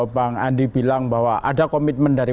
bang andi bilang bahwa ada komitmen dari